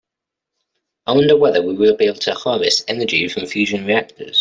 I wonder whether we will be able to harvest energy from fusion reactors.